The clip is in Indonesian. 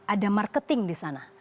ada marketing di sana